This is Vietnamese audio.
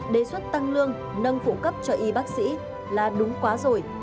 đề xuất tăng lương nâng phụ cấp cho y bác sĩ là đúng quá rồi